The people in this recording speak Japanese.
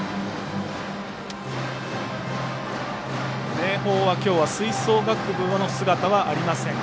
明豊はきょうは吹奏楽部の姿はありません。